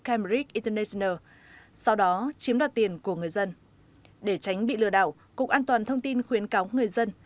cambridge international sau đó chiếm đặt tiền của người dân để tránh bị lừa đảo cục an toàn thông tin khuyến cáo người dân